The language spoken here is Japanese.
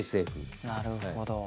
なるほど。